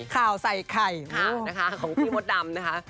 ข่าวใส่ไข่นะคะของพี่มดดำนะคะ